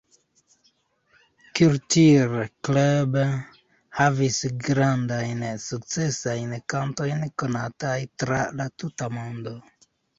Culture Club havis grandajn sukcesajn kantojn konataj tra la tuta mondo.